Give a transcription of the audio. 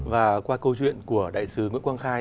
và qua câu chuyện của đại sứ nguyễn quang khai